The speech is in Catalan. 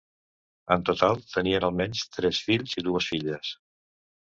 En total, tenien almenys tres fills i dues filles.